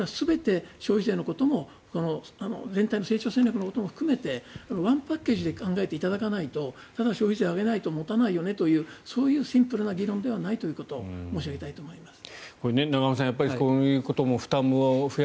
消費税のことも全体の成長戦略のことも含めてワンパッケージで考えていただかないとただ消費税を上げないと持たないよねというシンプルな議論ではないということを申し上げたいと思います。